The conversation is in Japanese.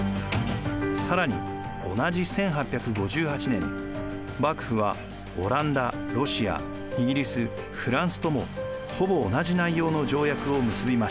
更に同じ１８５８年幕府はオランダ・ロシア・イギリス・フランスともほぼ同じ内容の条約を結びました。